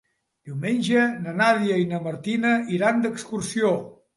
Diumenge na Nàdia i na Martina iran d'excursió.